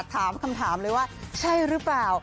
ถามคำถามเลยว่าใช่หรือเปล่า